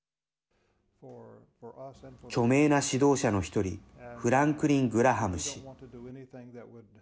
著名な指導者の１人フランクリン・グラハム氏。